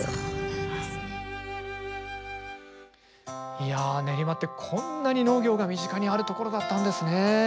いや練馬ってこんなに農業が身近にあるところだったんですね。